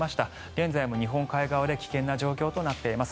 現在も日本海側で危険な状況となっています。